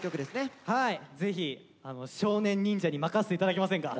ぜひ少年忍者に任せて頂けませんか？